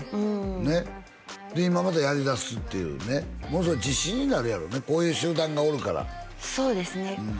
ねっ？で今またやりだすっていうねものすごい自信になるやろうねこういう集団がおるからそうですね